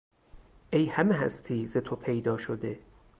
ای همه هستی زتو پیدا شده...